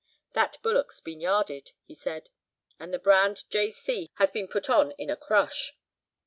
'That bullock's been yarded,' he said, 'and the brand "J. C." has been put on in a crush.